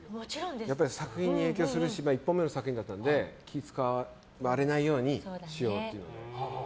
作品に影響するし１本目の作品だったので気を使われないようにしようというので。